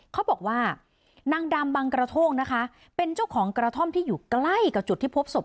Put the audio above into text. เขาบอกว่านางดำบังกระโทกนะคะเป็นเจ้าของกระท่อมที่อยู่ใกล้กับจุดที่พบศพ